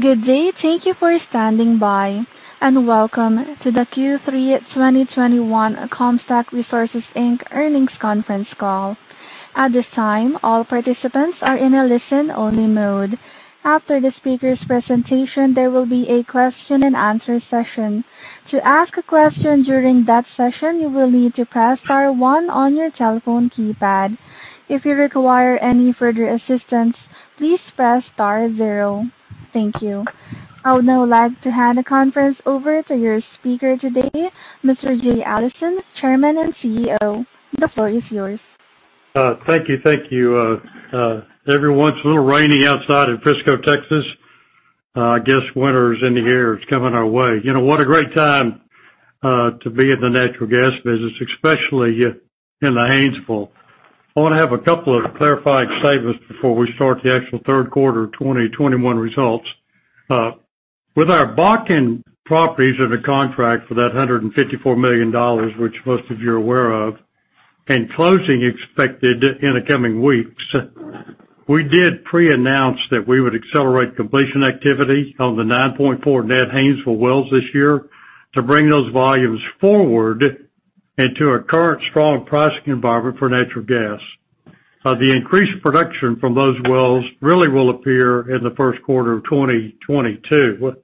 Good day. Thank you for standing by, and welcome to the Q3 2021 Comstock Resources, Inc. earnings conference call. At this time, all participants are in a listen-only mode. After the speaker's presentation, there will be a question-and-answer session. To ask a question during that session, you will need to press star one on your telephone keypad. If you require any further assistance, please press star zero. Thank you. I would now like to hand the conference over to your speaker today, Mr. Jay Allison, Chairman and CEO. The floor is yours. Thank you, everyone. It's a little rainy outside in Frisco, Texas. I guess winter is in the air. It's coming our way. You know, what a great time to be in the natural gas business, especially in the Haynesville. I wanna have a couple of clarifying statements before we start the actual third quarter of 2021 results. With our Bakken properties and the contract for that $154 million, which most of you are aware of, and closing expected in the coming weeks, we did pre-announce that we would accelerate completion activity on the 9.4 net Haynesville wells this year to bring those volumes forward into a current strong pricing environment for natural gas. The increased production from those wells really will appear in the first quarter of 2022.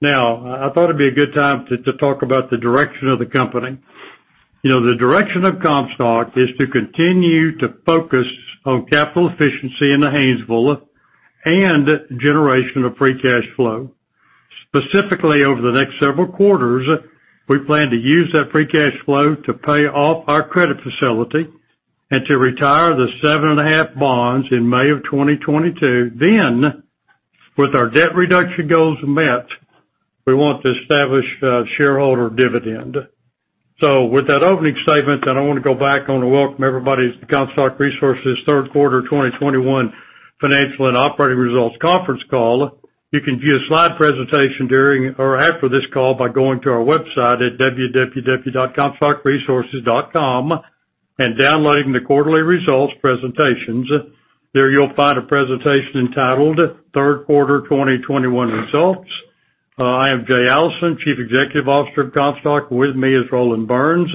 Now, I thought it'd be a good time to talk about the direction of the company. You know, the direction of Comstock is to continue to focus on capital efficiency in the Haynesville and generation of free cash flow. Specifically, over the next several quarters, we plan to use that free cash flow to pay off our credit facility and to retire the 7.5 bonds in May 2022. With our debt reduction goals met, we want to establish a shareholder dividend. With that opening statement, I wanna go back on to welcome everybody to Comstock Resources' third quarter 2021 financial and operating results conference call. You can view a slide presentation during or after this call by going to our website at www.comstockresources.com and downloading the quarterly results presentations. There you'll find a presentation entitled Third Quarter 2021 Results. I am Jay Allison, Chief Executive Officer of Comstock. With me is Roland Burns,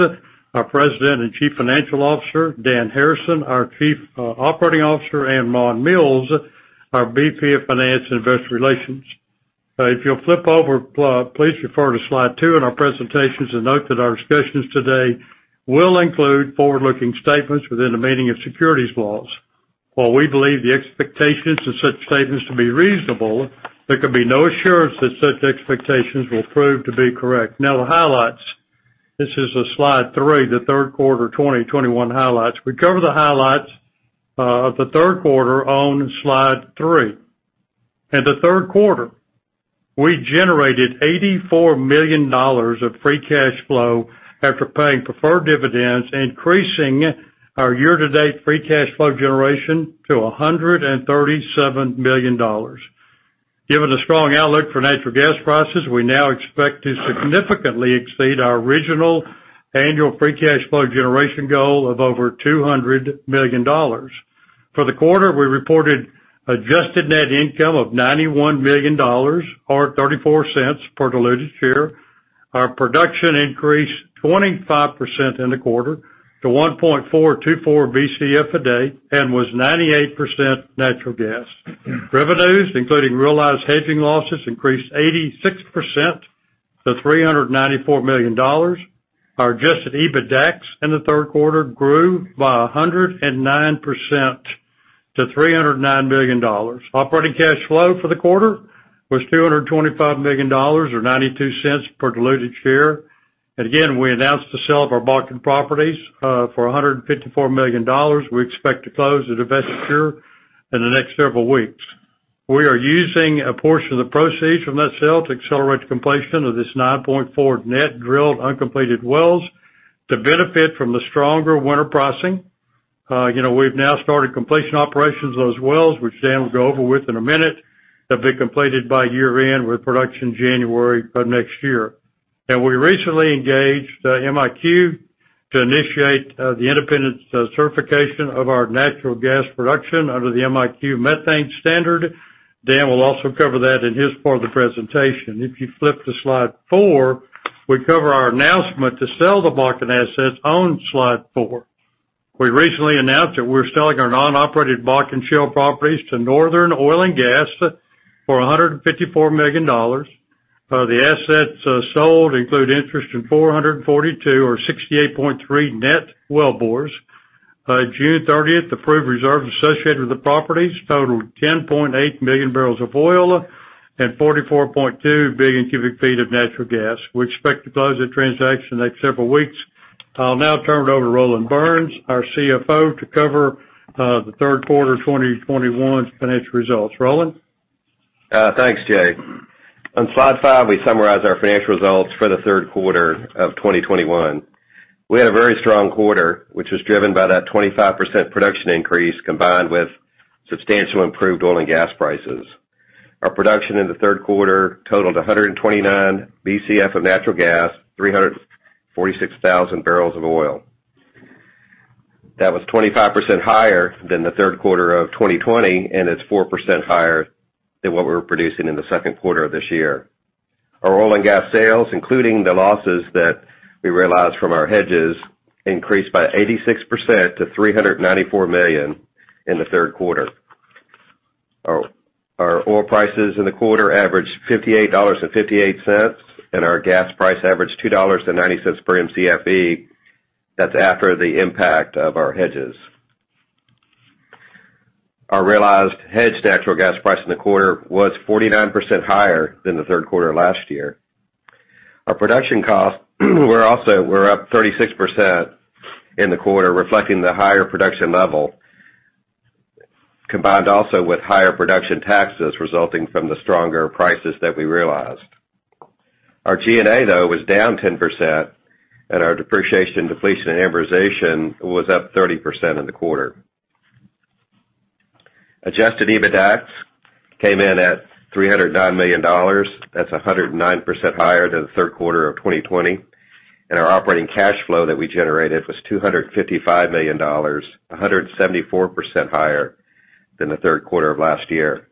our President and Chief Financial Officer, Dan Harrison, our Chief Operating Officer, and Ron Mills, our VP of Finance and Investor Relations. If you'll flip over, please refer to slide two in our presentations and note that our discussions today will include forward-looking statements within the meaning of securities laws. While we believe the expectations of such statements to be reasonable, there can be no assurance that such expectations will prove to be correct. Now, the highlights. This is slide three, the third quarter 2021 highlights. We cover the highlights of the third quarter on slide three. In the third quarter, we generated $84 million of free cash flow after paying preferred dividends, increasing our year-to-date free cash flow generation to $137 million. Given the strong outlook for natural gas prices, we now expect to significantly exceed our original annual free cash flow generation goal of over $200 million. For the quarter, we reported adjusted net income of $91 million or $0.34 per diluted share. Our production increased 25% in the quarter to 1.424 Bcf a day and was 98% natural gas. Revenues, including realized hedging losses, increased 86% to $394 million. Our adjusted EBITDAX in the third quarter grew by 109% to $309 million. Operating cash flow for the quarter was $225 million or $0.92 per diluted share. Again, we announced the sale of our Bakken properties for $154 million. We expect to close the divestiture in the next several weeks. We are using a portion of the proceeds from that sale to accelerate the completion of this 9.4 net drilled uncompleted wells to benefit from the stronger winter pricing. You know, we've now started completion operations of those wells, which Dan will go over with in a minute, that'll be completed by year-end with production January of next year. We recently engaged MiQ to initiate the independent certification of our natural gas production under the MiQ Methane Standard. Dan will also cover that in his part of the presentation. If you flip to slide four, we cover our announcement to sell the Bakken assets on slide four. We recently announced that we're selling our non-operated Bakken Shale properties to Northern Oil and Gas for $154 million. The assets sold include interest in 442 or 68.3 net wellbores. By June 30, the proved reserves associated with the properties totaled 10.8 MMbbl and 44.2 Bcf of natural gas. We expect to close the transaction in the next several weeks. I'll now turn it over to Roland Burns, our CFO, to cover the third quarter of 2021's financial results. Roland? Thanks, Jay. On slide five, we summarize our financial results for the third quarter of 2021. We had a very strong quarter, which was driven by that 25% production increase combined with substantial improved oil and gas prices. Our production in the third quarter totaled 129 Bcf of natural gas, 346,000 bbl. That was 25% higher than the third quarter of 2020, and it's 4% higher than what we were producing in the second quarter of this year. Our oil and gas sales, including the losses that we realized from our hedges, increased by 86% to $394 million in the third quarter. Our oil prices in the quarter averaged $58.58, and our gas price averaged $2.90 per Mcfe. That's after the impact of our hedges. Our realized hedged natural gas price in the quarter was 49% higher than the third quarter last year. Our production costs were also up 36% in the quarter, reflecting the higher production level, combined also with higher production taxes resulting from the stronger prices that we realized. Our G&A, though, was down 10%, and our depreciation, depletion, and amortization was up 30% in the quarter. Adjusted EBITDAX came in at $309 million. That's 109% higher than the third quarter of 2020, and our operating cash flow that we generated was $255 million, 174% higher than the third quarter of last year.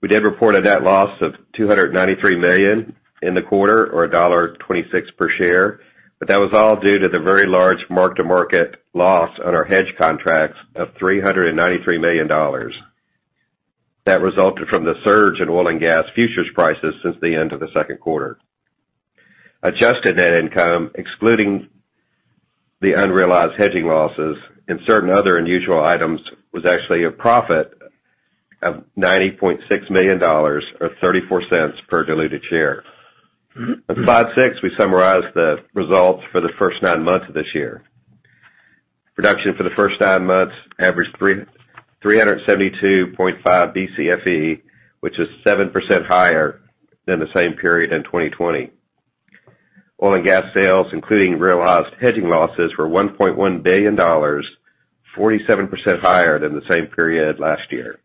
We did report a net loss of $293 million in the quarter, or $1.26 per share, but that was all due to the very large mark-to-market loss on our hedge contracts of $393 million. That resulted from the surge in oil and gas futures prices since the end of the second quarter. Adjusted net income, excluding the unrealized hedging losses and certain other unusual items, was actually a profit of $90.6 million or $0.34 per diluted share. On slide six, we summarize the results for the first nine months of this year. Production for the first nine months averaged 372.5 Bcfe, which is 7% higher than the same period in 2020. Oil and gas sales, including realized hedging losses, were $1.1 billion, 47% higher than the same period last year.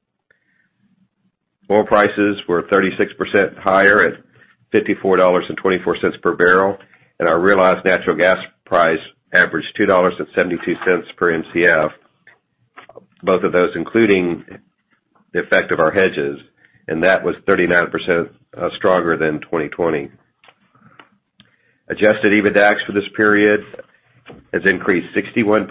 Oil prices were 36% higher at $54.24 per barrel, and our realized natural gas price averaged $2.72 per Mcf, both of those including the effect of our hedges, and that was 39% stronger than 2020. Adjusted EBITDAX for this period has increased 61%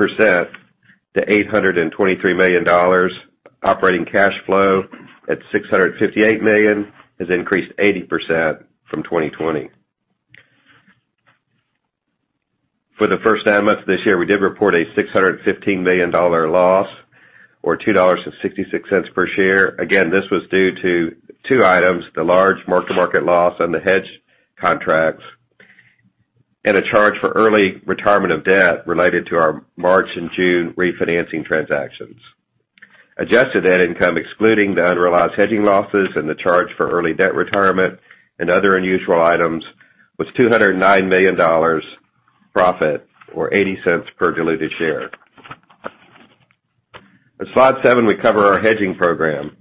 to $823 million. Operating cash flow at $658 million has increased 80% from 2020. For the first nine months of this year, we did report a $615 million loss or $2.66 per share. This was due to two items, the large mark-to-market loss on the hedge contracts and a charge for early retirement of debt related to our March and June refinancing transactions. Adjusted net income, excluding the unrealized hedging losses and the charge for early debt retirement and other unusual items, was $209 million profit or $0.80 per diluted share. On slide seven, we cover our hedging program.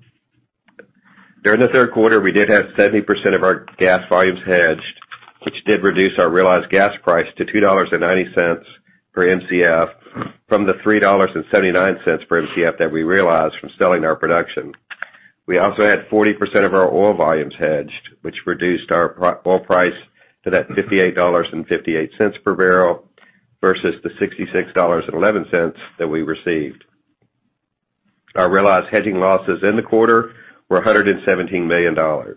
During the third quarter, we did have 70% of our gas volumes hedged, which did reduce our realized gas price to $2.90 per Mcf from the $3.79 per Mcf that we realized from selling our production. We also had 40% of our oil volumes hedged, which reduced our oil price to that $58.58 per barrel versus the $66.11 that we received. Our realized hedging losses in the quarter were $117 million. For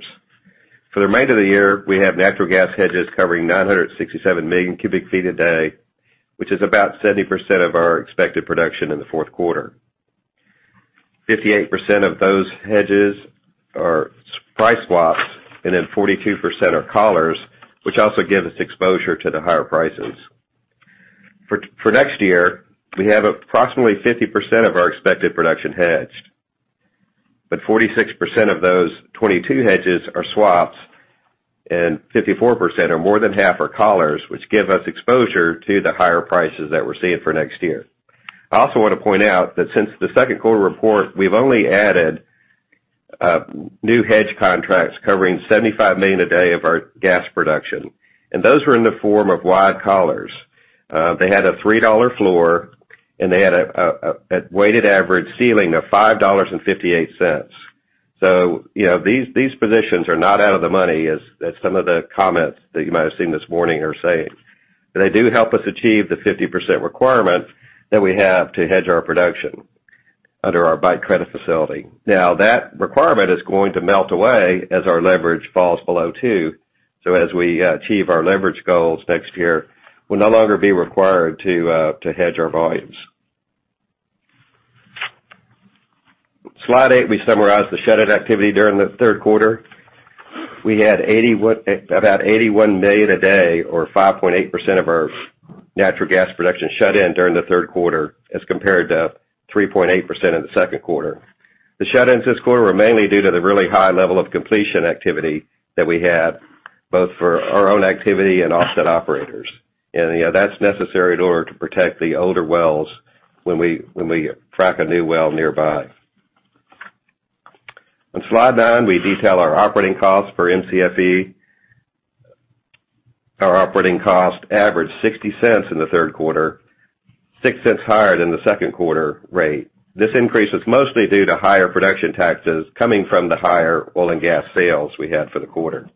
the remainder of the year, we have natural gas hedges covering 967 million cubic feet a day, which is about 70% of our expected production in the fourth quarter. 58% of those hedges are price swaps, and then 42% are collars, which also give us exposure to the higher prices. For next year, we have approximately 50% of our expected production hedged, but 46% of those 22 hedges are swaps and 54% or more than half are collars, which give us exposure to the higher prices that we're seeing for next year. I also want to point out that since the second quarter report, we've only added new hedge contracts covering 75 million a day of our gas production, and those were in the form of wide collars. They had a $3 floor, and they had a weighted average ceiling of $5.58. You know, these positions are not out of the money as some of the comments that you might have seen this morning are saying. They do help us achieve the 50% requirement that we have to hedge our production under our bank credit facility. Now that requirement is going to melt away as our leverage falls below two. As we achieve our leverage goals next year, we'll no longer be required to hedge our volumes. Slide eight, we summarize the shut-in activity during the third quarter. We had about 81 million a day or 5.8% of our natural gas production shut in during the third quarter as compared to 3.8% in the second quarter. The shut-ins this quarter were mainly due to the really high level of completion activity that we had both for our own activity and offset operators. You know, that's necessary in order to protect the older wells when we frack a new well nearby. On slide nine, we detail our operating costs for Mcfe. Our operating cost averaged $0.60 in the third quarter, $0.06 higher than the second quarter rate. This increase is mostly due to higher production taxes coming from the higher oil and gas sales we had for the quarter.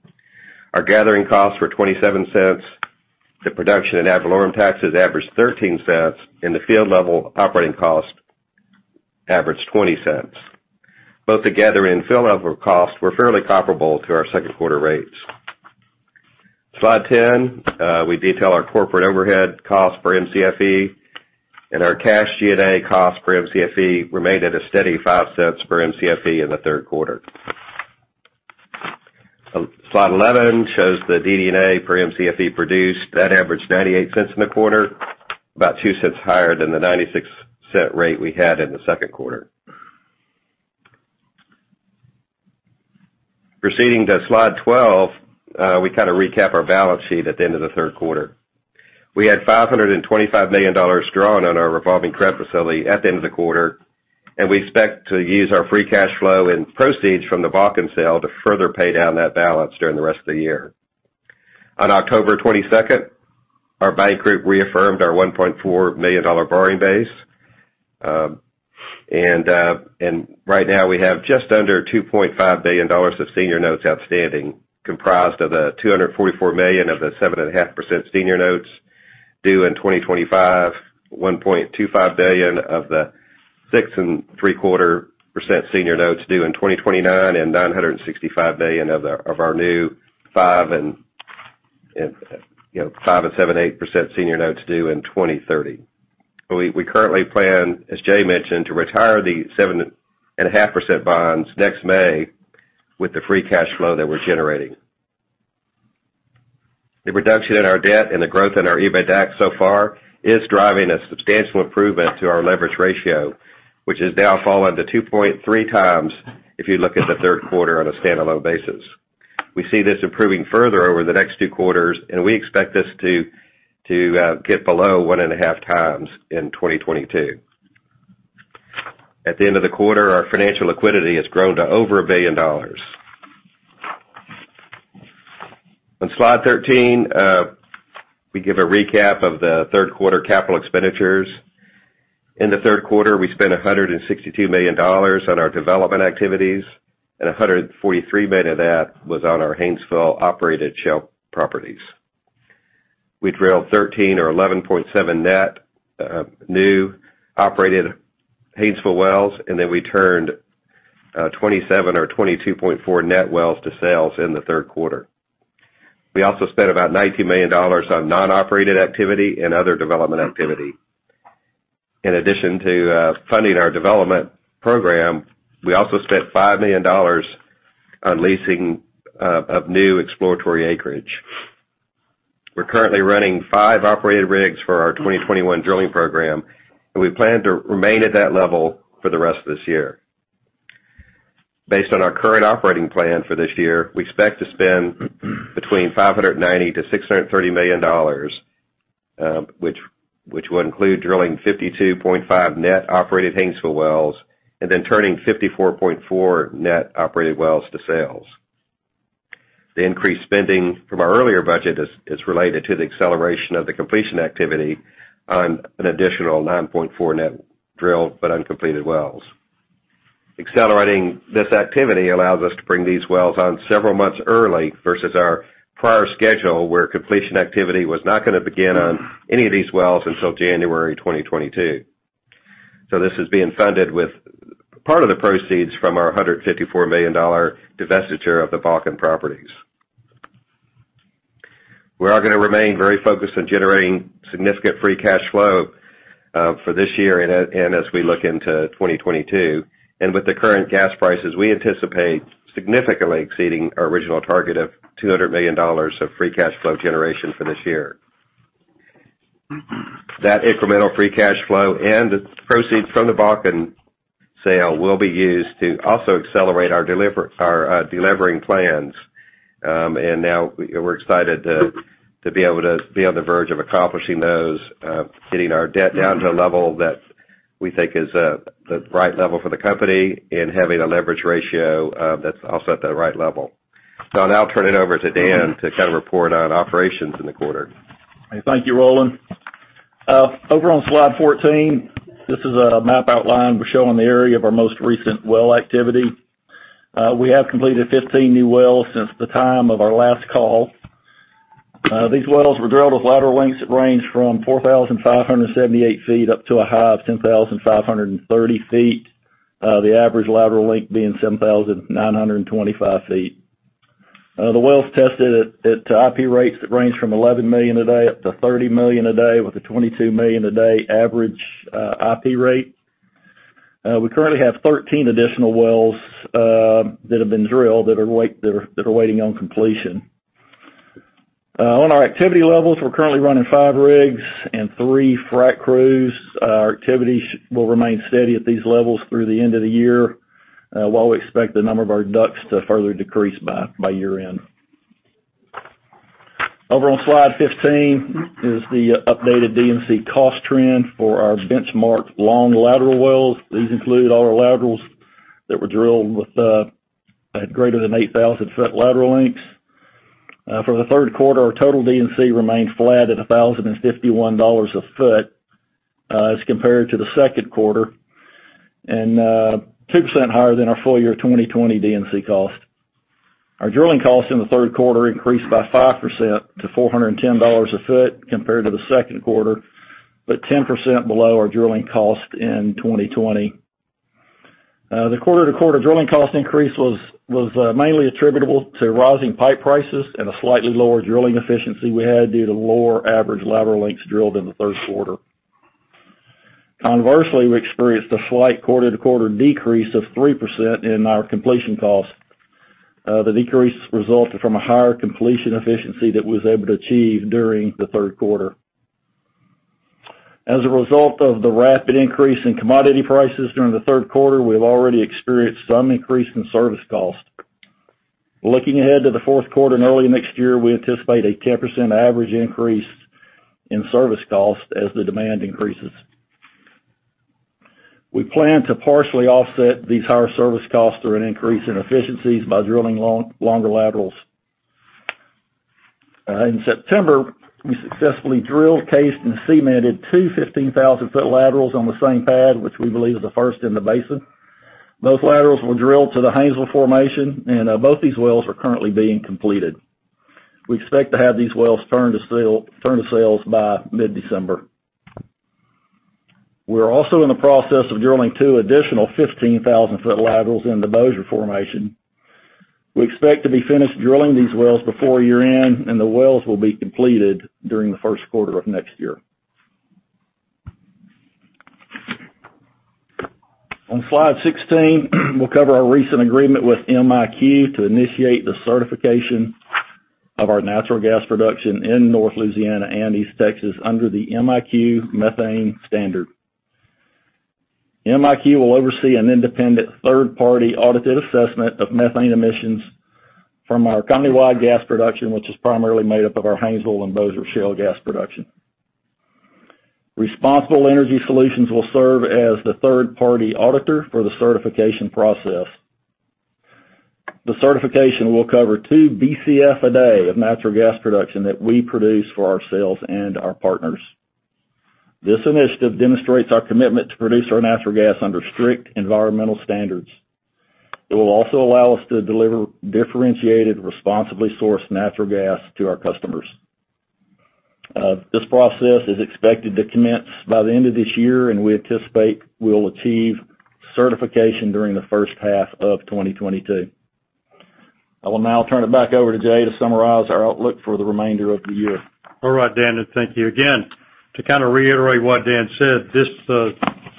Our gathering costs were $0.27. The production and ad valorem taxes averaged $0.13, and the field level operating cost averaged $0.20. Both the gathering and field level costs were fairly comparable to our second quarter rates. Slide 10, we detail our corporate overhead costs for Mcfe, and our cash G&A cost for Mcfe remained at a steady $0.05 for Mcfe in the third quarter. Slide 11 shows the DD&A for Mcfe produced. That averaged $0.98 in the quarter, about $0.02 higher than the $0.96 rate we had in the second quarter. Proceeding to slide 12, we kind of recap our balance sheet at the end of the third quarter. We had $525 million drawn on our revolving credit facility at the end of the quarter, and we expect to use our free cash flow and proceeds from the Bakken sale to further pay down that balance during the rest of the year. On October 22, our bank group reaffirmed our $1.4 billion borrowing base. Right now, we have just under $2.5 billion of senior notes outstanding, comprised of the $244 million of the 7.5% senior notes due in 2025, $1.25 billion of the 6.75% senior notes due in 2029, and $965 million of the, of our new five and, you know, 5.875% senior notes due in 2030. We currently plan, as Jay mentioned, to retire the 7.5% bonds next May with the free cash flow that we're generating. The reduction in our debt and the growth in our EBITDAX so far is driving a substantial improvement to our leverage ratio, which has now fallen to 2.3 times if you look at the third quarter on a standalone basis. We see this improving further over the next two quarters, and we expect this to get below 1.5 times in 2022. At the end of the quarter, our financial liquidity has grown to over $1 billion. On slide 13, we give a recap of the third quarter capital expenditures. In the third quarter, we spent $162 million on our development activities, and $143 million of that was on our Haynesville operated shale properties. We drilled 13 or 11.7 net new operated Haynesville wells, and then we turned 27 or 22.4 net wells to sales in the third quarter. We also spent about $90 million on non-operated activity and other development activity. In addition to funding our development program, we also spent $5 million on leasing of new exploratory acreage. We're currently running five operated rigs for our 2021 drilling program, and we plan to remain at that level for the rest of this year. Based on our current operating plan for this year, we expect to spend between $590 million-$630 million, which will include drilling 52.5 net operated Haynesville wells and then turning 54.4 net operated wells to sales. The increased spending from our earlier budget is related to the acceleration of the completion activity on an additional 9.4 net drilled but uncompleted wells. Accelerating this activity allows us to bring these wells on several months early versus our prior schedule, where completion activity was not gonna begin on any of these wells until January 2022. This is being funded with part of the proceeds from our $154 million divestiture of the Bakken properties. We are gonna remain very focused on generating significant free cash flow for this year and as we look into 2022. With the current gas prices, we anticipate significantly exceeding our original target of $200 million of free cash flow generation for this year. That incremental free cash flow and the proceeds from the Bakken sale will be used to also accelerate our delivering plans. Now we're excited to be able to be on the verge of accomplishing those, getting our debt down to a level that we think is the right level for the company and having a leverage ratio that's also at the right level. I'll now turn it over to Dan to kind of report on operations in the quarter. Thank you, Roland. Over on slide 14, this is a map outline we're showing the area of our most recent well activity. We have completed 15 new wells since the time of our last call. These wells were drilled with lateral lengths that range from 4,578 feet up to a high of 10,530 feet. The average lateral length being 7,925 feet. The wells tested at IP rates that range from 11 million a day up to 30 million a day with a 22 million a day average, IP rate. We currently have 13 additional wells that have been drilled that are waiting on completion. On our activity levels, we're currently running five rigs and three frac crews. Our activities will remain steady at these levels through the end of the year, while we expect the number of our DUCs to further decrease by year-end. Over on slide 15 is the updated D&C cost trend for our benchmarked long lateral wells. These include all our laterals that were drilled with at greater than 8,000 foot lateral lengths. For the third quarter, our total D&C remained flat at $1,051 a foot as compared to the second quarter, and 2% higher than our full year 2020 D&C cost. Our drilling costs in the third quarter increased by 5% to $410 a foot compared to the second quarter, but 10% below our drilling cost in 2020. The quarter-over-quarter drilling cost increase was mainly attributable to rising pipe prices and a slightly lower drilling efficiency we had due to lower average lateral lengths drilled in the third quarter. Conversely, we experienced a slight quarter-over-quarter decrease of 3% in our completion cost. The decrease resulted from a higher completion efficiency that we were able to achieve during the third quarter. As a result of the rapid increase in commodity prices during the third quarter, we've already experienced some increase in service cost. Looking ahead to the fourth quarter and early next year, we anticipate a 10% average increase in service cost as the demand increases. We plan to partially offset these higher service costs through an increase in efficiencies by drilling longer laterals. In September, we successfully drilled, cased, and cemented two 15,000-foot laterals on the same pad, which we believe is the first in the basin. Those laterals were drilled to the Haynesville formation, and both these wells are currently being completed. We expect to have these wells turn to sales by mid-December. We're also in the process of drilling two additional 15,000-foot laterals in the Bossier formation. We expect to be finished drilling these wells before year-end, and the wells will be completed during the first quarter of next year. On slide 16, we'll cover our recent agreement with MiQ to initiate the certification of our natural gas production in North Louisiana and East Texas under the MiQ Methane Standard. MiQ will oversee an independent third-party audited assessment of methane emissions from our company-wide gas production, which is primarily made up of our Haynesville and Bossier Shale gas production. Responsible Energy Solutions will serve as the third-party auditor for the certification process. The certification will cover 2 Bcf a day of natural gas production that we produce for ourselves and our partners. This initiative demonstrates our commitment to produce our natural gas under strict environmental standards. It will also allow us to deliver differentiated, responsibly sourced natural gas to our customers. This process is expected to commence by the end of this year, and we anticipate we'll achieve certification during the first half of 2022. I will now turn it back over to Jay to summarize our outlook for the remainder of the year. All right, Dan, and thank you again. To kind of reiterate what Dan said, this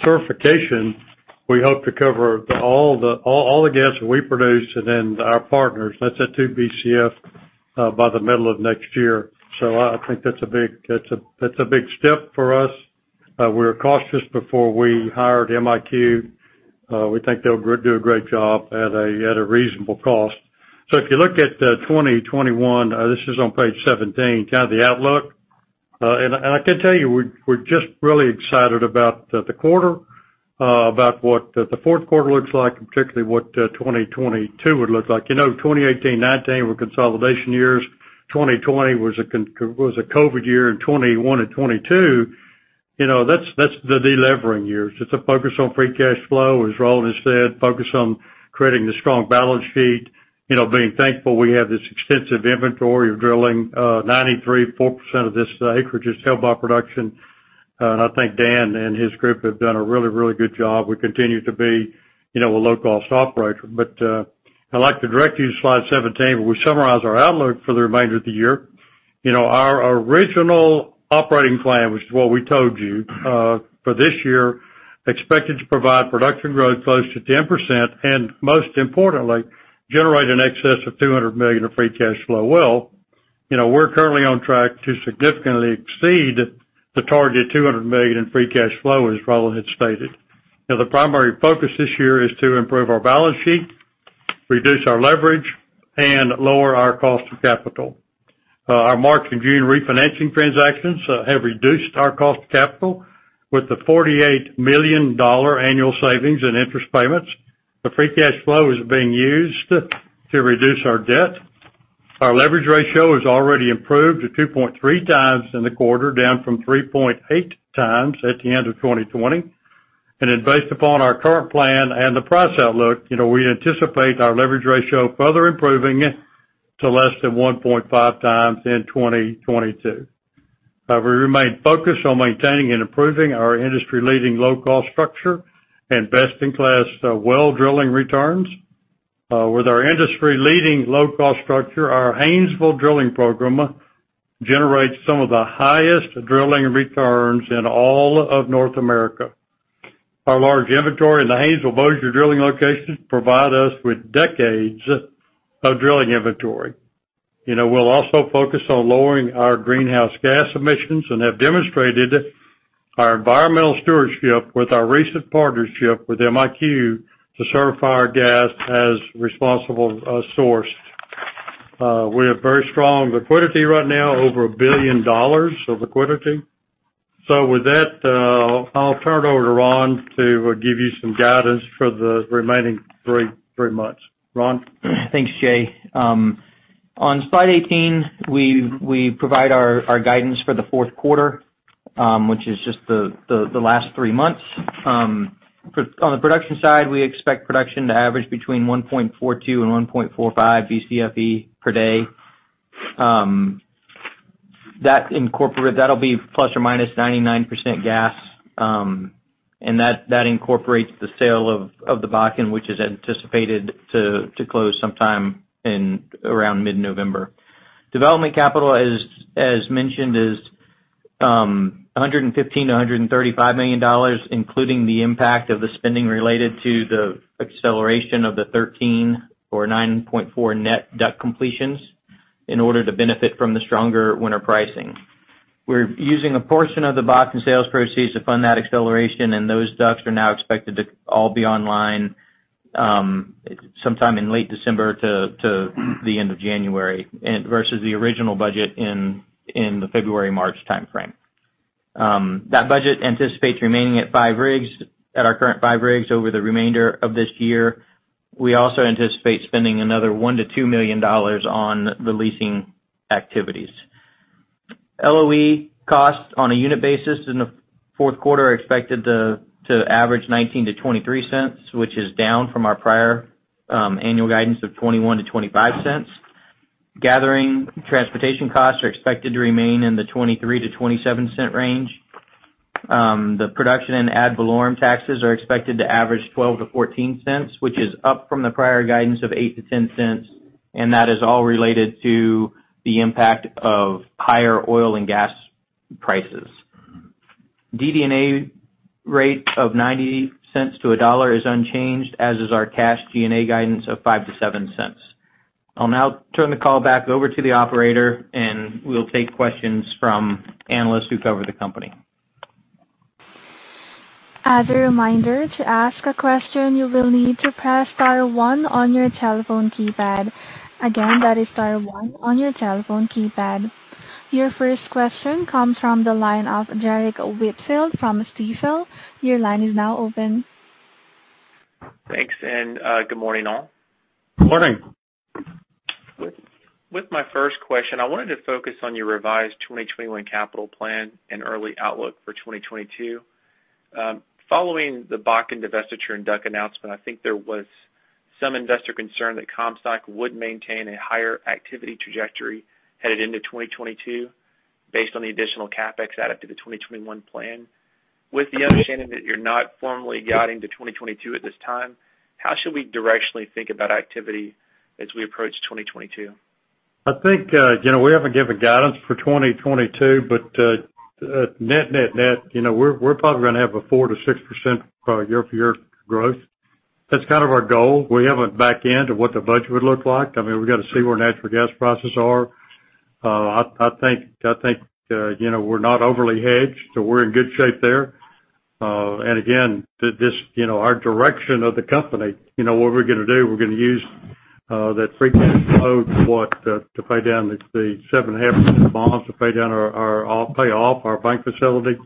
certification, we hope to cover all the gas that we produce and then our partners, that's at 2 Bcf by the middle of next year. I think that's a big step for us. We were cautious before we hired MiQ. We think they'll do a great job at a reasonable cost. If you look at 2021, this is on page 17, kind of the outlook. I can tell you, we're just really excited about the quarter, about what the fourth quarter looks like, and particularly what 2022 would look like. You know, 2018, 2019 were consolidation years. 2020 was a COVID year. 2021 and 2022, you know, that's the deleveraging years. It's a focus on free cash flow, as Roland has said, focus on creating a strong balance sheet. You know, being thankful we have this extensive inventory of drilling. 93.4% of this acreage is held by production. I think Dan and his group have done a really good job. We continue to be, you know, a low-cost operator. I'd like to direct you to slide 17, where we summarize our outlook for the remainder of the year. You know, our original operating plan, which is what we told you, for this year, expected to provide production growth close to 10%, and most importantly, generate in excess of $200 million of free cash flow. Well, you know, we're currently on track to significantly exceed the target $200 million in free cash flow, as Roland had stated. Now, the primary focus this year is to improve our balance sheet, reduce our leverage, and lower our cost of capital. Our March and June refinancing transactions have reduced our cost of capital with a $48 million annual savings in interest payments. The free cash flow is being used to reduce our debt. Our leverage ratio has already improved to 2.3x in the quarter, down from 3.8x at the end of 2020. Based upon our current plan and the price outlook, you know, we anticipate our leverage ratio further improving to less than 1.5x in 2022. We remain focused on maintaining and improving our industry-leading low-cost structure and best-in-class well drilling returns. With our industry-leading low-cost structure, our Haynesville drilling program generates some of the highest drilling returns in all of North America. Our large inventory in the Haynesville-Bossier drilling locations provide us with decades of drilling inventory. You know, we'll also focus on lowering our greenhouse gas emissions and have demonstrated our environmental stewardship with our recent partnership with MiQ to certify our gas as responsible source. We have very strong liquidity right now, over $1 billion of liquidity. With that, I'll turn it over to Ron to give you some guidance for the remaining three months. Ron? Thanks, Jay. On slide 18, we provide our guidance for the fourth quarter, which is just the last three months. On the production side, we expect production to average between 1.42 Bcfe and 1.45 Bcfe per day. That'll be ±99% gas. That incorporates the sale of the Bakken, which is anticipated to close sometime in around mid-November. Development capital, as mentioned, is $115 million-$135 million, including the impact of the spending related to the acceleration of the 13 or 9.4 net DUC completions in order to benefit from the stronger winter pricing. We're using a portion of the Bakken sales proceeds to fund that acceleration, and those DUCs are now expected to all be online sometime in late December to the end of January, and versus the original budget in the February-March timeframe. That budget anticipates remaining at five rigs, at our current five rigs over the remainder of this year. We also anticipate spending another $1 million-$2 million on the leasing activities. LOE costs on a unit basis in the fourth quarter are expected to average $0.19-$0.23, which is down from our prior annual guidance of $0.21-$0.25. Gathering transportation costs are expected to remain in the $0.23-$0.27 range. The production and ad valorem taxes are expected to average $0.12-$0.14, which is up from the prior guidance of $0.08-$0.10, and that is all related to the impact of higher oil and gas prices. DD&A rate of $0.90-$1.00 is unchanged, as is our cash G&A guidance of $0.05-$0.07. I'll now turn the call back over to the operator, and we'll take questions from analysts who cover the company. As a reminder, to ask a question, you will need to press star one on your telephone keypad. Again, that is star one on your telephone keypad. Your first question comes from the line of Derrick Whitfield from Stifel. Your line is now open. Thanks and good morning, all. Morning. With my first question, I wanted to focus on your revised 2021 capital plan and early outlook for 2022. Following the Bakken divestiture and DUC announcement, I think there was some investor concern that Comstock would maintain a higher activity trajectory headed into 2022 based on the additional CapEx add up to the 2021 plan. With the understanding that you're not formally guiding to 2022 at this time, how should we directionally think about activity as we approach 2022? I think you know we haven't given guidance for 2022, but net you know we're probably gonna have a 4%-6% year-over-year growth. That's kind of our goal. We haven't backed into what the budget would look like. I mean we've got to see where natural gas prices are. I think you know we're not overly hedged, so we're in good shape there. Again this you know our direction of the company you know what we're gonna do we're gonna use that free cash flow to pay down the $7.5 million bonds, pay off our bank facility,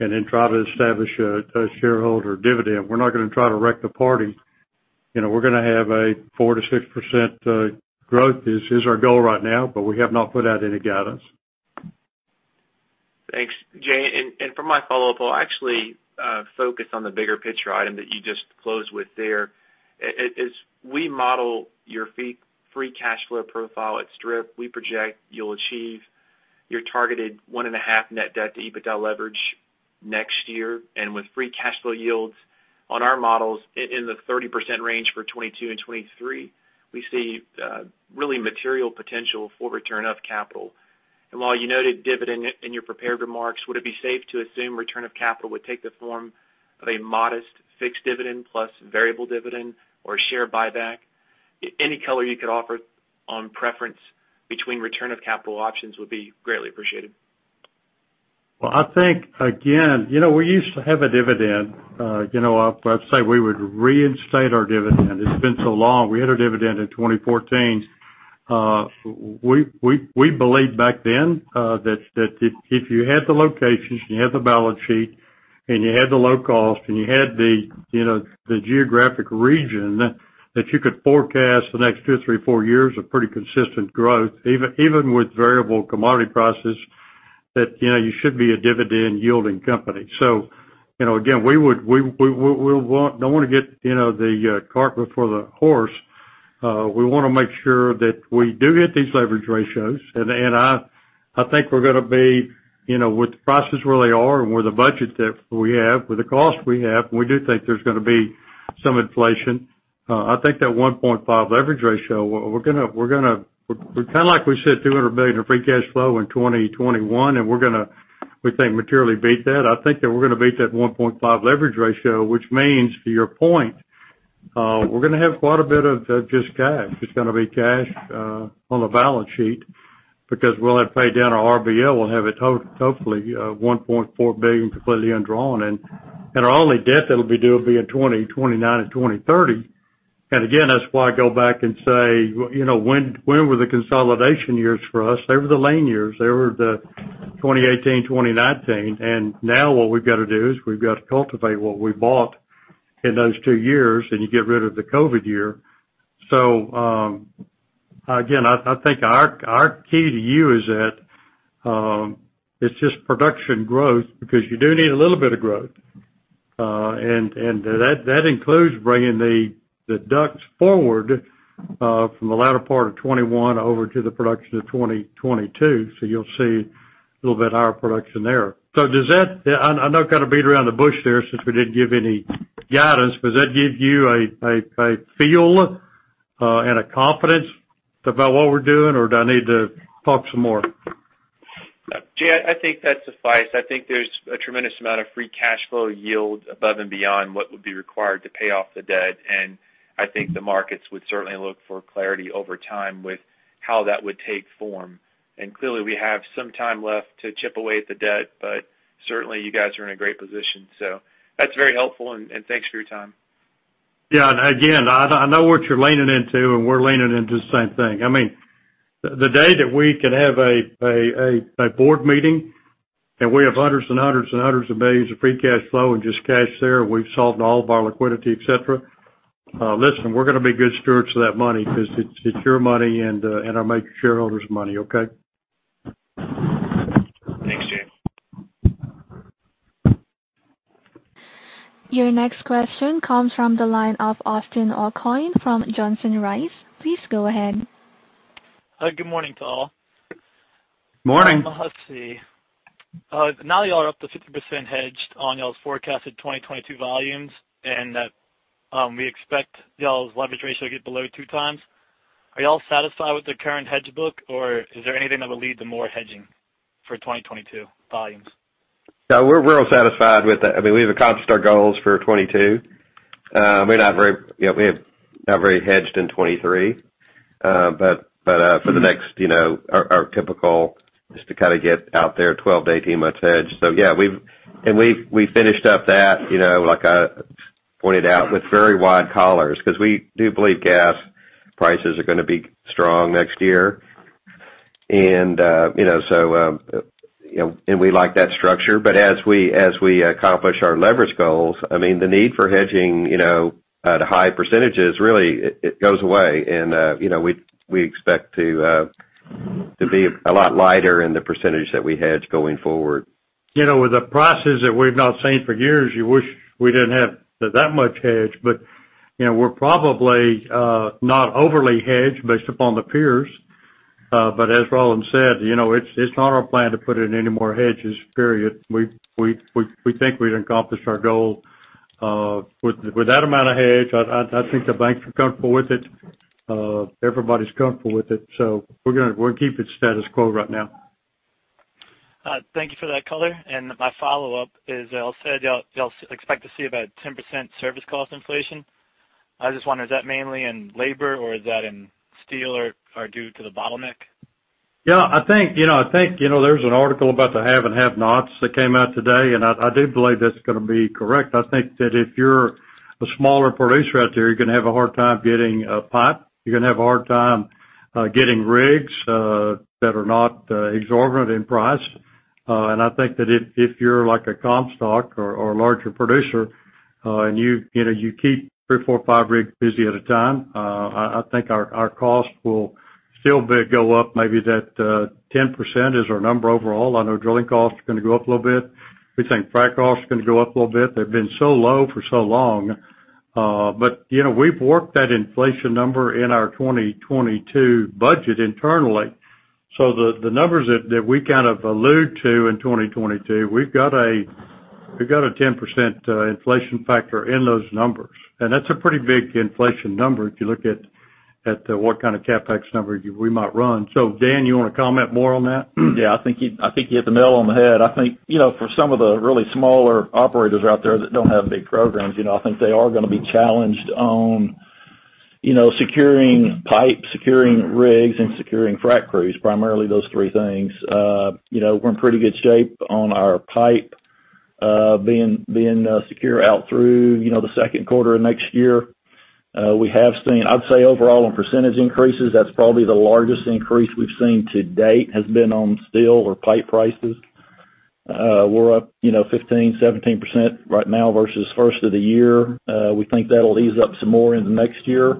and then try to establish a shareholder dividend. We're not gonna try to wreck the party. You know, we're gonna have a 4%-6% growth is our goal right now, but we have not put out any guidance. Thanks, Jay. For my follow-up, I'll actually focus on the bigger picture item that you just closed with there. As we model your free cash flow profile at strip, we project you'll achieve your targeted 1.5 net debt to EBITDA leverage next year. With free cash flow yields on our models in the 30% range for 2022 and 2023, we see really material potential for return of capital. While you noted dividend in your prepared remarks, would it be safe to assume return of capital would take the form of a modest fixed dividend plus variable dividend or share buyback? Any color you could offer on preference between return of capital options would be greatly appreciated. Well, I think, again, you know, we used to have a dividend. You know, I'd say we would reinstate our dividend. It's been so long. We had our dividend in 2014. We believed back then that if you had the locations, you had the balance sheet, and you had the low cost, and you had the, you know, the geographic region that you could forecast the next two, three, four years of pretty consistent growth, even with variable commodity prices, that, you know, you should be a dividend-yielding company. So, you know, again, we don't want to get, you know, the cart before the horse. We want to make sure that we do get these leverage ratios. I think we're gonna be, you know, with the prices where they are and with the budget that we have, with the cost we have, and we do think there's gonna be some inflation. I think that 1.5 leverage ratio, we're gonna. We're kinda like we said, $200 million in free cash flow in 2021, and we're gonna, we think, materially beat that. I think that we're gonna beat that 1.5 leverage ratio, which means, to your point, we're gonna have quite a bit of just cash. It's gonna be cash on the balance sheet because we'll have paid down our RBL. We'll have it to hopefully $1.4 billion completely undrawn. Our only debt that'll be due will be in 2029 and 2030. Again, that's why I go back and say, well, you know, when were the consolidation years for us? They were the lean years. They were 2018, 2019. Now what we've got to do is we've got to cultivate what we bought in those two years, and you get rid of the COVID year. Again, I think our key to you is that it's just production growth because you do need a little bit of growth. And that includes bringing the DUCs forward from the latter part of 2021 over to the production of 2022. You'll see a little bit higher production there. So does that. I know I've got to beat around the bush there since we didn't give any guidance, but does that give you a feel and a confidence about what we're doing, or do I need to talk some more? Yeah, I think that's sufficient. I think there's a tremendous amount of free cash flow yield above and beyond what would be required to pay off the debt. I think the markets would certainly look for clarity over time with how that would take form. Clearly, we have some time left to chip away at the debt, but certainly you guys are in a great position. That's very helpful, and thanks for your time. Yeah. Again, I know what you're leaning into, and we're leaning into the same thing. I mean, the day that we can have a board meeting and we have hundreds of millions of free cash flow and just cash there, we've solved all of our liquidity, etc., listen, we're gonna be good stewards of that money 'cause it's your money and our shareholders' money, okay? Thanks, Jay. Your next question comes from the line of Austin Aucoin from Johnson Rice. Please go ahead. Hi, Good morning to all. Morning. Let's see. Now y'all are up to 50% hedged on y'all's forecasted 2022 volumes, and that, we expect y'all's leverage ratio to get below 2x. Are y'all satisfied with the current hedge book, or is there anything that would lead to more hedging for 2022 volumes? Yeah, we're real satisfied with that. I mean, we've accomplished our goals for 2022. We're not very hedged in 2023. But for the next, our typical just to kinda get out there 12-18 months hedge. Yeah, we finished up that, you know, like I pointed out, with very wide collars, 'cause we do believe gas prices are gonna be strong next year. We like that structure. But as we accomplish our leverage goals, I mean, the need for hedging, you know, at high percentages, really it goes away. We expect to be a lot lighter in the percentage that we hedge going forward. You know, with the prices that we've not seen for years, you wish we didn't have that much hedge. You know, we're probably not overly hedged based upon the peers. As Roland said, you know, it's not our plan to put in any more hedges, period. We think we've accomplished our goal with that amount of hedge. I think the banks are comfortable with it. Everybody's comfortable with it. We're gonna keep it status quo right now. Thank you for that color. My follow-up is, y'all said y'all expect to see about 10% service cost inflation. I just wonder, is that mainly in labor, or is that in steel or due to the bottleneck? Yeah, I think there's an article about the have and have-nots that came out today, and I do believe that's gonna be correct. I think that if you're a smaller producer out there, you're gonna have a hard time getting pipe. You're gonna have a hard time getting rigs that are not exorbitant in price. I think that if you're like a Comstock or a larger producer, and you keep three, four, five rigs busy at a time, I think our costs will still go up maybe that 10% is our number overall. I know drilling costs are gonna go up a little bit. We think frac costs are gonna go up a little bit. They've been so low for so long. You know, we've worked that inflation number in our 2022 budget internally. The numbers that we kind of allude to in 2022, we've got a 10% inflation factor in those numbers. That's a pretty big inflation number if you look at what kind of CapEx number we might run. Dan, you wanna comment more on that? Yeah, I think you hit the nail on the head. I think, you know, for some of the really smaller operators out there that don't have big programs, you know, I think they are gonna be challenged on, you know, securing pipe, securing rigs, and securing frac crews, primarily those three things. You know, we're in pretty good shape on our pipe, being secure out through, you know, the second quarter of next year. We have seen, I'd say overall on percentage increases, that's probably the largest increase we've seen to date, has been on steel or pipe prices. We're up, you know, 15%-17% right now versus first of the year. We think that'll ease up some more into next year.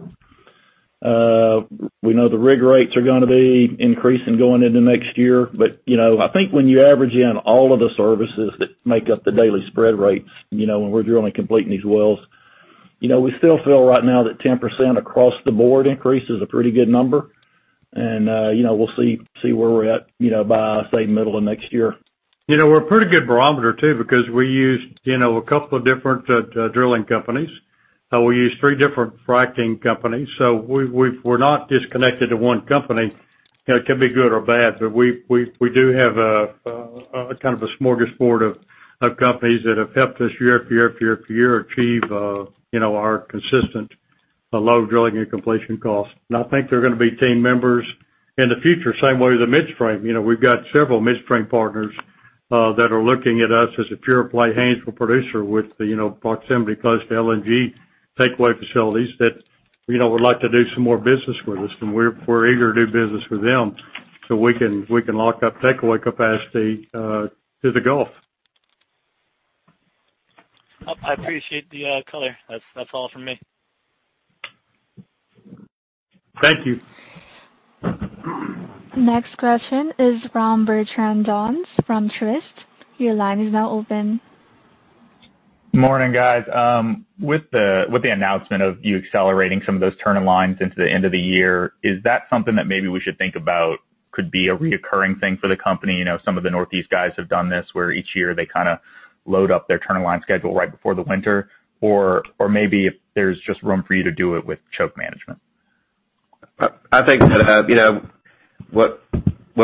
We know the rig rates are gonna be increasing going into next year. I think when you average in all of the services that make up the daily spread rates, you know, when we're drilling and completing these wells, you know, we still feel right now that 10% across the board increase is a pretty good number. You know, we'll see where we're at, you know, by, say, middle of next year. You know, we're a pretty good barometer too because we use, you know, a couple of different drilling companies, we use three different fracking companies, so we're not just connected to one company. Yeah, it can be good or bad, but we do have a kind of a smorgasbord of companies that have helped us year after year achieve you know our consistent low drilling and completion costs. I think they're gonna be team members in the future, same way as a midstream. You know, we've got several midstream partners that are looking at us as a pure play Haynesville producer with the you know proximity close to LNG takeaway facilities that you know would like to do some more business with us, and we're eager to do business with them so we can lock up takeaway capacity to the Gulf. I appreciate the color. That's all from me. Thank you. Next question is from Bertrand Donnes from Truist. Your line is now open. Morning, guys. With the announcement of you accelerating some of those turning lines into the end of the year, is that something that maybe we should think about could be a recurring thing for the company? You know, some of the Northeast guys have done this, where each year they kinda load up their turning line schedule right before the winter. Or maybe if there's just room for you to do it with choke management? I think you know what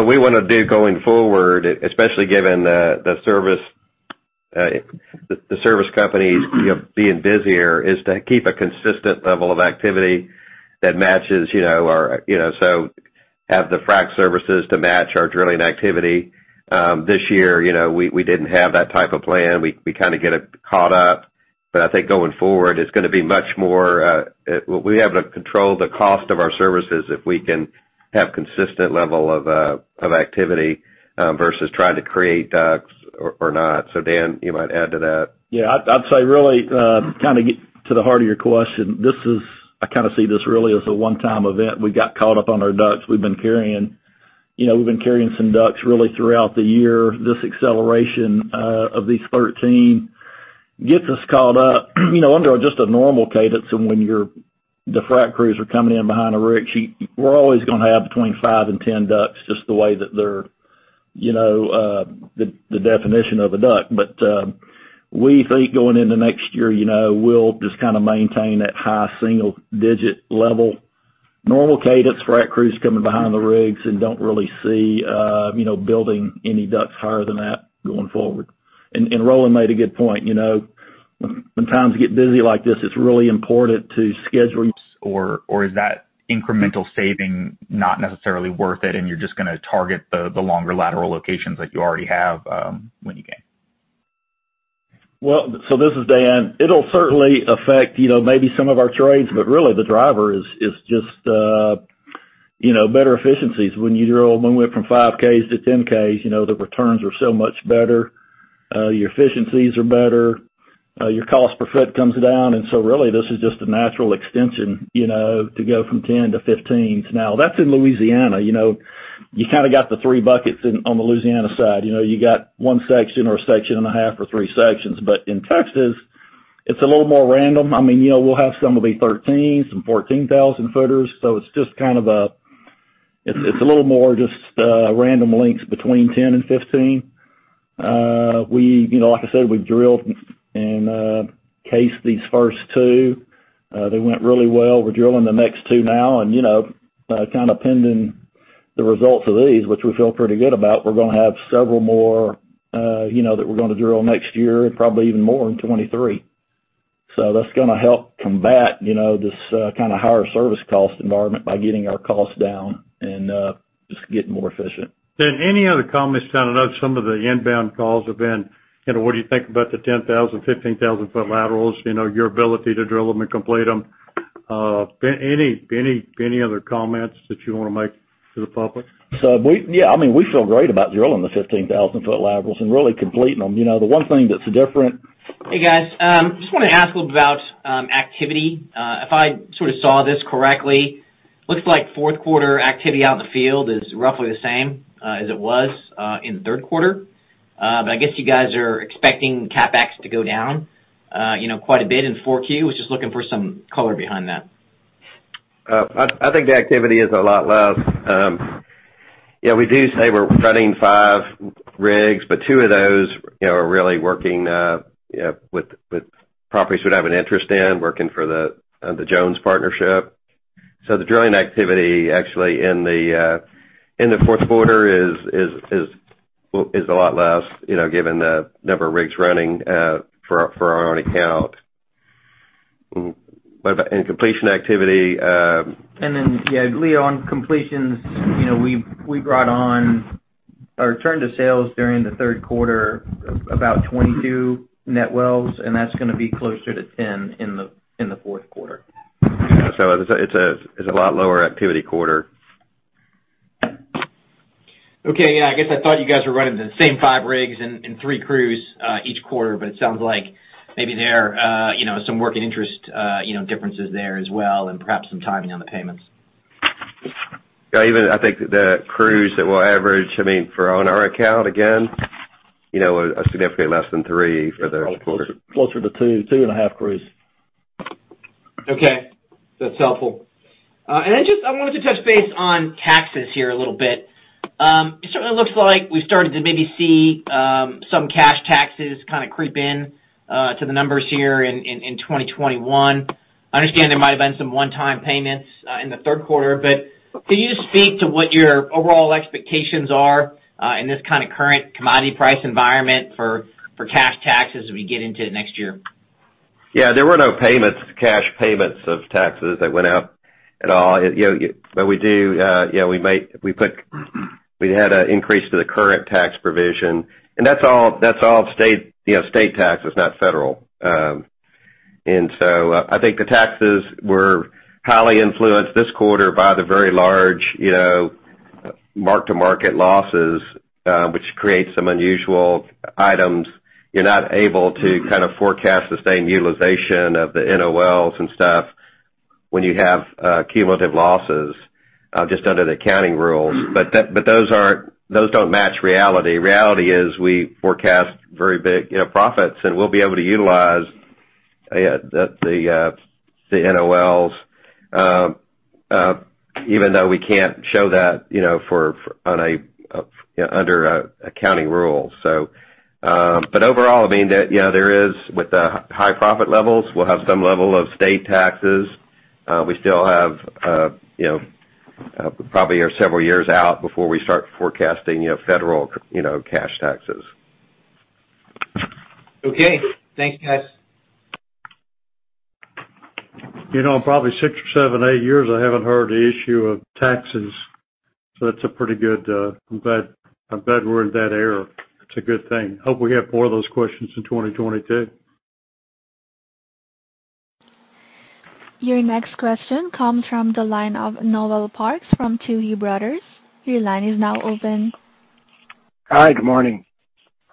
we wanna do going forward, especially given the service companies you know being busier, is to keep a consistent level of activity that matches you know our drilling activity. Have the frack services to match our drilling activity. This year you know we didn't have that type of plan. We kinda get it caught up. I think going forward, it's gonna be much more, we have to control the cost of our services if we can have consistent level of activity versus trying to create DUCs or not. Dan, you might add to that. Yeah. I'd say really kinda get to the heart of your question. This is I kinda see this really as a one-time event. We got caught up on our DUCs. We've been carrying, you know, some DUCs really throughout the year. This acceleration of these 13 gets us caught up, you know, under just a normal cadence. When the frac crews are coming in behind a rig, we're always gonna have between five and 10 DUCs just the way that they're, you know, the definition of a DUC. We think going into next year, you know, we'll just kinda maintain that high single digit level. Normal cadence, frac crews coming behind the rigs and don't really see, you know, building any DUCs higher than that going forward. Roland made a good point. You know, when times get busy like this, it's really important to schedule. Is that incremental saving not necessarily worth it and you're just gonna target the longer lateral locations that you already have, when you can? Well, this is Dan. It'll certainly affect, you know, maybe some of our trades, but really the driver is just, you know, better efficiencies. When we went from 5 Ks to 10 Ks, you know, the returns are so much better. Your efficiencies are better, your cost per foot comes down, and so really this is just a natural extension, you know, to go from 10 to 15s. Now, that's in Louisiana. You know, you kind of got the three buckets in on the Louisiana side. You know, you got 1 section or a section and a half or three sections. In Texas, it's a little more random. I mean, you know, we'll have some will be 13s, some 14,000-footers. It's just kind of a. It's a little more just random lengths between 10 and 15. We, you know, like I said, we've drilled and cased these first two. They went really well. We're drilling the next two now. You know, kinda pending the results of these, which we feel pretty good about, we're gonna have several more, you know, that we're gonna drill next year and probably even more in 2023. That's gonna help combat, you know, this kinda higher service cost environment by getting our costs down and just getting more efficient. Dan, any other comments? I know some of the inbound calls have been, you know, what do you think about the 10,000-15,000 foot laterals, you know, your ability to drill them and complete them. Any other comments that you wanna make to the public? I mean, we feel great about drilling the 15,000-foot laterals and really completing them. You know, the one thing that's different. Hey, guys. Just wanna ask about activity. If I sort of saw this correctly, looks like fourth quarter activity out in the field is roughly the same as it was in the third quarter. I guess you guys are expecting CapEx to go down, you know, quite a bit in 4Q. I was just looking for some color behind that? I think the activity is a lot less. Yeah, we do say we're running five rigs, but two of those, you know, are really working, you know, with properties we'd have an interest in, working for the Jones Partnership. The drilling activity actually in the fourth quarter is a lot less, well, you know, given the number of rigs running for our own account. In completion activity, Yeah, Leo, on completions, you know, we've brought on or returned to sales during the third quarter of about 22 net wells, and that's gonna be closer to 10 in the fourth quarter. It's a lot lower activity quarter. Okay. Yeah, I guess I thought you guys were running the same five rigs and three crews each quarter, but it sounds like maybe there, you know, some working interest differences there as well and perhaps some timing on the payments. Yeah, even I think the crews that we'll average, I mean, for one on our account, again, you know, are significantly less than three for the quarter. Closer to two and a half crews. Okay. That's helpful. Just, I wanted to touch base on taxes here a little bit. It certainly looks like we started to maybe see some cash taxes kind of creep in to the numbers here in 2021. I understand there might have been some one-time payments in the third quarter, but could you just speak to what your overall expectations are in this kind of current commodity price environment for cash taxes as we get into next year? Yeah. There were no payments, cash payments of taxes that went out at all. You know, we do, you know, we had an increase to the current tax provision, and that's all state, you know, state taxes, not federal. I think the taxes were highly influenced this quarter by the very large, you know, mark-to-market losses, which create some unusual items. You're not able to kind of forecast the same utilization of the NOLs and stuff when you have cumulative losses just under the accounting rules. Those aren't, those don't match reality. Reality is we forecast very big, you know, profits, and we'll be able to utilize the NOLs even though we can't show that, you know, for, on a, you know, under accounting rules. Overall, I mean, yeah, there is, with the high profit levels, we'll have some level of state taxes. We still have, you know, we probably are several years out before we start forecasting, you know, federal, you know, cash taxes. Okay. Thanks, guys. You know, in probably six or seven, eight years, I haven't heard the issue of taxes, so that's a pretty good. I'm glad we're in that era. It's a good thing. I hope we have more of those questions in 2022. Your next question comes from the line of Noel Parks from Tuohy Brothers. Your line is now open. Hi. Good morning.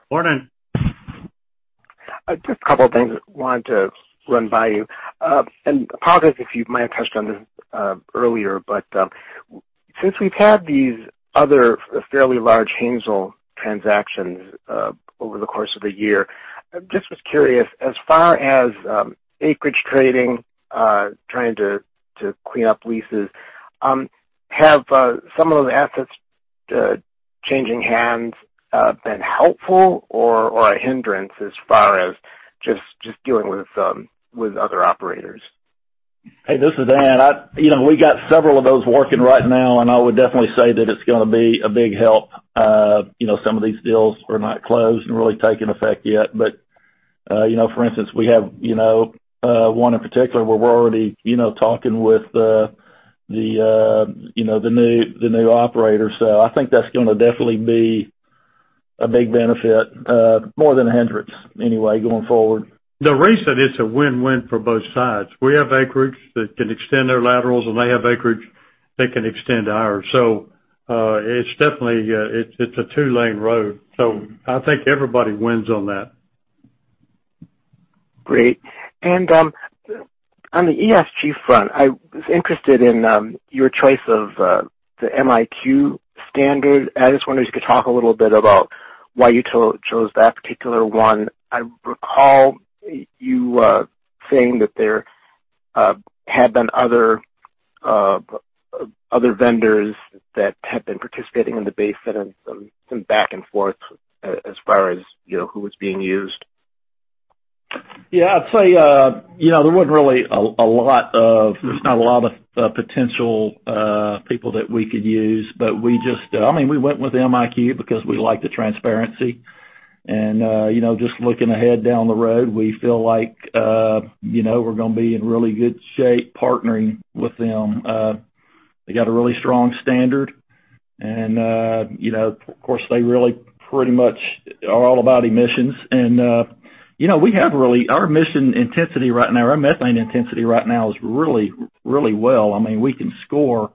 Morning. A couple things I wanted to run by you. Apologize if you might have touched on this earlier, but since we've had these other fairly large Haynesville transactions over the course of the year, I just was curious, as far as acreage trading trying to clean up leases, have some of those assets changing hands been helpful or a hindrance as far as just dealing with other operators? Hey, this is Dan. You know, we got several of those working right now, and I would definitely say that it's gonna be a big help. You know, some of these deals are not closed and really taken effect yet. You know, for instance, we have, you know, one in particular where we're already, you know, talking with the, you know, the new operator. I think that's gonna definitely be a big benefit, more than a hindrance anyway going forward. The reason it's a win-win for both sides, we have acreage that can extend their laterals, and they have acreage that can extend ours. It's definitely a two-lane road. I think everybody wins on that. Great. On the ESG front, I was interested in your choice of the MiQ standard. I just wondered if you could talk a little bit about why you chose that particular one. I recall you saying that there had been other vendors that had been participating in the base set and some back and forth as far as, you know, who was being used. Yeah, I'd say, you know, there's not a lot of potential people that we could use, but I mean, we went with MiQ because we like the transparency. You know, just looking ahead down the road, we feel like, you know, we're gonna be in really good shape partnering with them. They got a really strong standard, and, you know, of course, they really pretty much are all about emissions. You know, we have really our emission intensity right now, our methane intensity right now is really, really well. I mean, we can score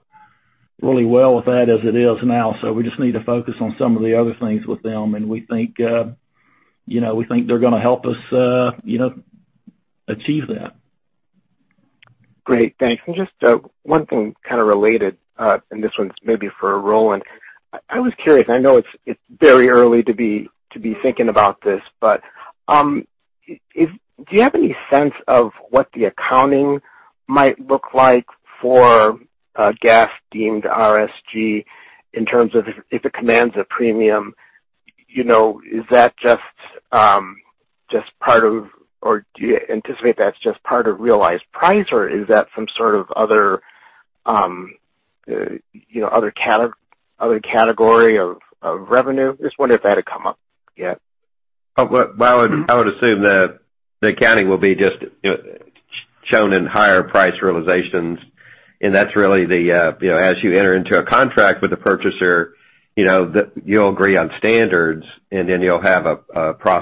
really well with that as it is now. We just need to focus on some of the other things with them, and we think, you know, we think they're gonna help us, you know, achieve that. Great. Thanks. Just one thing kind of related, and this one's maybe for Roland. I was curious. I know it's very early to be thinking about this. Do you have any sense of what the accounting might look like for a gas deemed RSG in terms of if it commands a premium? You know, is that just part of or do you anticipate that's just part of realized price, or is that some sort of other, you know, other category of revenue? Just wondering if that had come up yet. Well, I would assume that the accounting will be just, you know, shown in higher price realizations. That's really the, you know, as you enter into a contract with a purchaser, you know, you'll agree on standards, and then you'll have an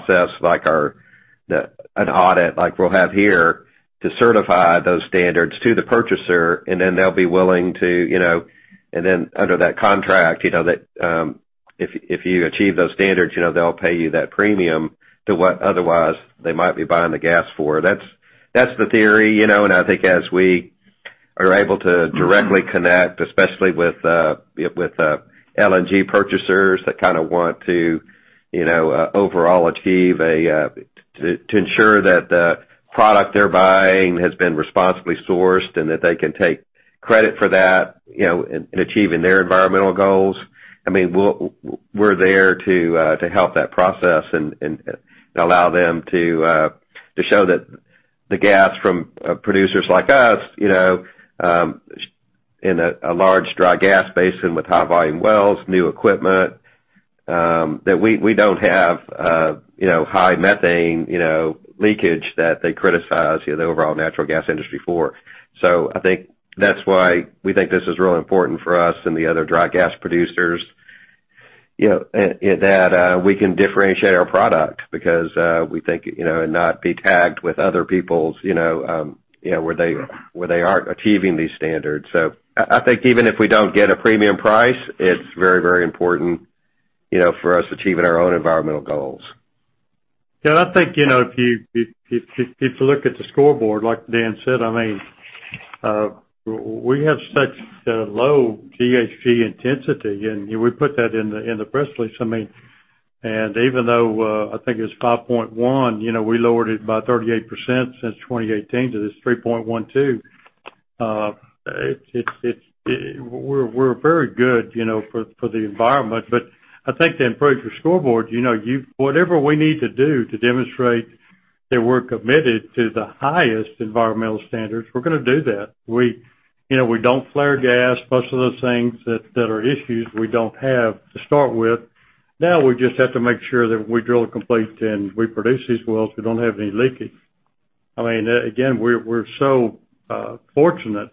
audit like we'll have here to certify those standards to the purchaser, and then they'll be willing to, you know. Under that contract, you know, that, if you achieve those standards, you know, they'll pay you that premium to what otherwise they might be buying the gas for. That's the theory, you know, and I think as we are able to directly connect, especially with LNG purchasers that kind of want to, you know, overall achieve a to ensure that the product they're buying has been responsibly sourced and that they can take credit for that, you know, in achieving their environmental goals. I mean, we're there to help that process and allow them to show that the gas from producers like us, you know, in a large dry gas basin with high volume wells, new equipment, that we don't have, you know, high methane leakage that they criticize, you know, the overall natural gas industry for. I think that's why we think this is really important for us and the other dry gas producers, you know, and that we can differentiate our product because we think, you know, and not be tagged with other people's, you know, where they aren't achieving these standards. I think even if we don't get a premium price, it's very, very important, you know, for us achieving our own environmental goals. Yeah, I think, you know, if you look at the scoreboard, like Dan said, I mean, we have such low GHG intensity, and we put that in the press release. I mean, even though I think it was 5.1, you know, we lowered it by 38% since 2018 to this 3.12. We're very good, you know, for the environment. I think that approach for scoreboards, you know, you whatever we need to do to demonstrate that we're committed to the highest environmental standards, we're gonna do that. We, you know, we don't flare gas. Most of those things that are issues we don't have to start with. Now, we just have to make sure that we drill, complete and produce these wells. We don't have any leakage. I mean, we're so fortunate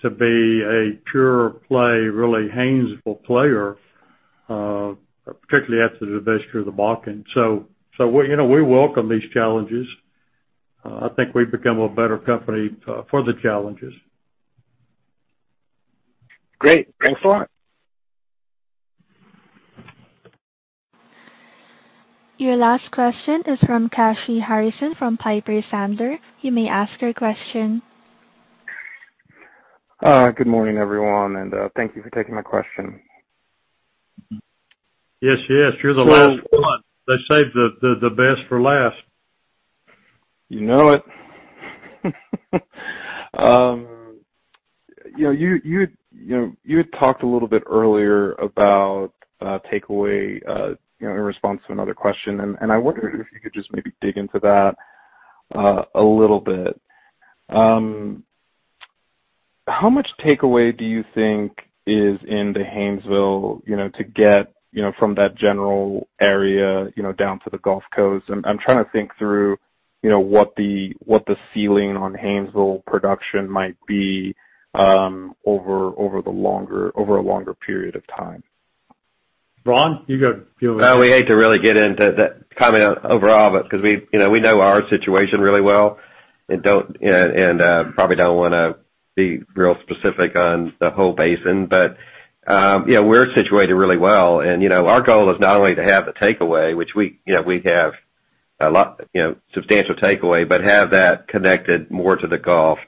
to be a pure play, really Haynesville player, particularly after the divestiture of the Bakken. So, you know, we welcome these challenges. I think we've become a better company for the challenges. Great. Thanks a lot. Your last question is from Kashy Harrison from Piper Sandler. You may ask your question. Good morning, everyone, and thank you for taking my question. Yes, yes. You're the last one. They saved the best for last. You know it. You know, you had talked a little bit earlier about takeaway, you know, in response to another question, and I wondered if you could just maybe dig into that a little bit. How much takeaway do you think is in the Haynesville, you know, to get, you know, from that general area, you know, down to the Gulf Coast? I'm trying to think through, you know, what the ceiling on Haynesville production might be, over a longer period of time. Ron, you go. We hate to really get into that comment overall, but 'cause we, you know, we know our situation really well and don't probably don't wanna be real specific on the whole basin. We're situated really well. Our goal is not only to have the takeaway, which we, you know, we have a lot, you know, substantial takeaway, but have that connected more to the Gulf.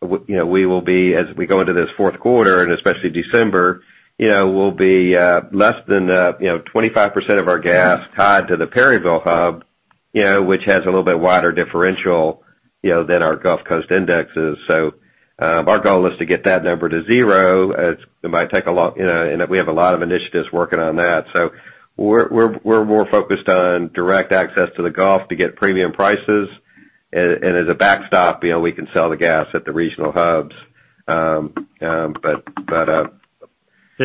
We will be as we go into this fourth quarter and especially December, you know, we'll be less than you know, 25% of our gas tied to the Perryville hub, you know, which has a little bit wider differential, you know, than our Gulf Coast indexes. Our goal is to get that number to zero. It might take a long, you know, and we have a lot of initiatives working on that. We're more focused on direct access to the Gulf to get premium prices. And as a backstop, you know, we can sell the gas at the regional hubs, but.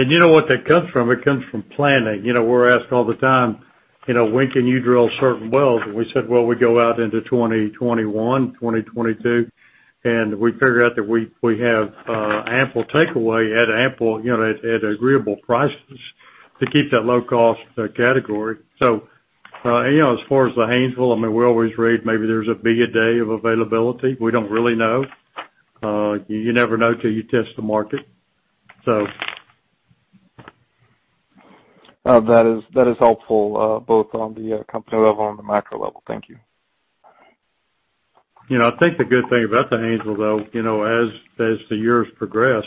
You know what that comes from? It comes from planning. You know, we're asked all the time, you know, when can you drill certain wells? We said, well, we go out into 2021, 2022, and we figure out that we have ample takeaway at ample, you know, at agreeable prices to keep that low cost category. You know, as far as the Haynesville, I mean, we always read maybe there's a bigger day of availability. We don't really know. You never know till you test the market. That is helpful, both on the company level and the macro level. Thank you. You know, I think the good thing about the Haynesville, though, you know, as the years progress,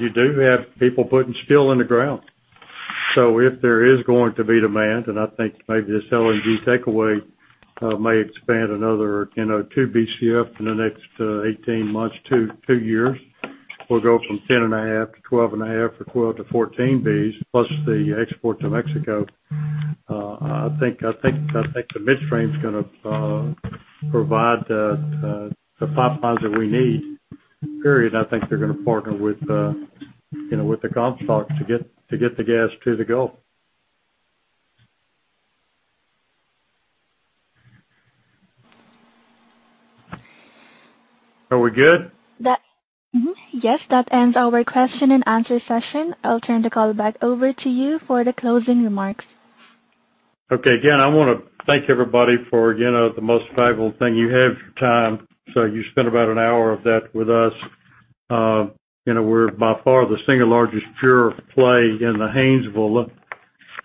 you do have people putting steel in the ground. So if there is going to be demand, and I think maybe this LNG takeaway may expand another, you know, 2 Bcf in the next 18 months to two years. We'll go from 10.5 Bcf-12.5 Bcf or 12 Bcf-14 Bcf plus the export to Mexico. I think the midstream's gonna provide the pipelines that we need, period. I think they're gonna partner with, you know, with the Gulf Coast to get the gas to the Gulf. Are we good? Yes. That ends our question and answer session. I'll turn the call back over to you for the closing remarks. Okay. Again, I wanna thank everybody for, you know, the most valuable thing you have, your time. You spent about an hour of that with us. You know, we're by far the single largest pure play in the Haynesville.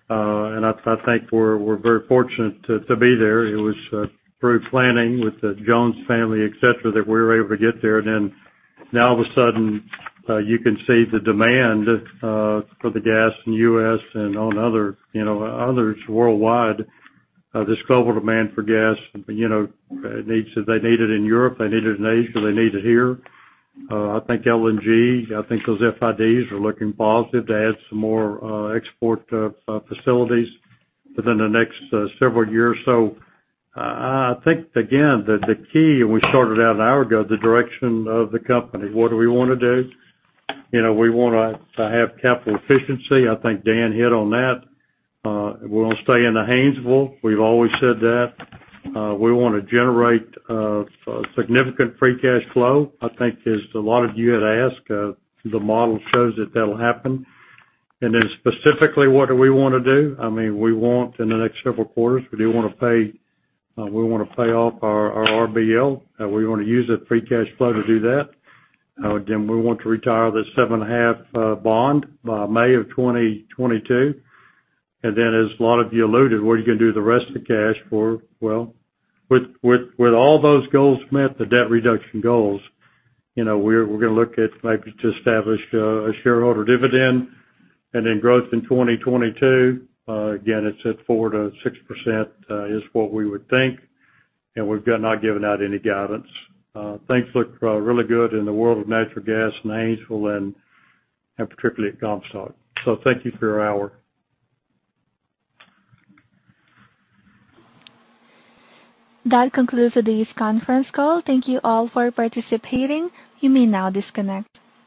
I think we're very fortunate to be there. It was through planning with the Jones family, et cetera, that we were able to get there. Now all of a sudden, you can see the demand for the gas in U.S. and on other, you know, others worldwide, this global demand for gas, you know, needs it. They need it in Europe, they need it in Asia, they need it here. I think LNG, I think those FIDs are looking positive to add some more export facilities within the next several years. I think again, the key when we started out an hour ago, the direction of the company, what do we wanna do? You know, we wanna to have capital efficiency. I think Dan hit on that. We'll stay in the Haynesville. We've always said that. We wanna generate significant free cash flow. I think as a lot of you had asked, the model shows that that'll happen. Specifically what do we wanna do? I mean, we want in the next several quarters, we do wanna pay, we wanna pay off our RBL, and we wanna use that free cash flow to do that. Again, we want to retire the 7.5 bond by May of 2022. As a lot of you alluded, what are you gonna do the rest of the cash for? Well, with all those goals met, the debt reduction goals, you know, we're gonna look at maybe to establish a shareholder dividend. Growth in 2022, again, it's at 4%-6%, is what we would think, and we've not given out any guidance. Things look really good in the world of natural gas and Haynesville and particularly at Comstock. Thank you for your hour. That concludes today's conference call. Thank you all for participating. You may now disconnect.